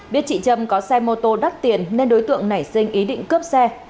biết chị trâm có xe mô tô đắt tiền nên đối tượng nảy sinh ý định cướp xe